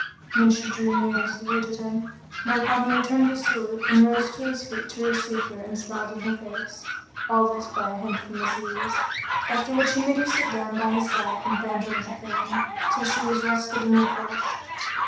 "[FN#28] Then she drew near and saluted him, whereupon he returned her salute and rose to his feet to receive her and smiled in her face (all this by a hint from Aziz); after which he made her sit down by his side and fanned her with a fan, till she was rested and refreshed.